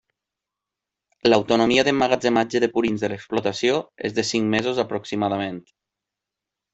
L'autonomia d'emmagatzematge de purins de l'explotació és de cinc mesos aproximadament.